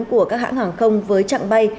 của các hãng hàng không với trạng bay